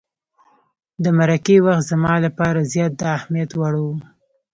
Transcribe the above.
د مرکې وخت زما لپاره زیات د اهمیت وړ وو.